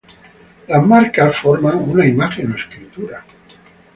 Las marcas forman una imagen o escritura.